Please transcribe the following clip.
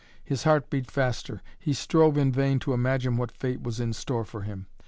His heart beat faster; he strove in vain to imagine what fate was in store for him.